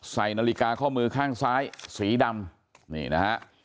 ใส่นาฬิกาข้อมือข้างซ้ายสีดำนี่นะฮะ